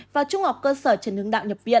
và trung học cơ sở trần hưng đạo nhập viện